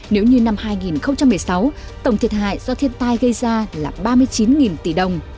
nếu như năm hai nghìn một mươi sáu tổng thiệt hại do thiên tai gây ra là ba mươi chín tỷ đồng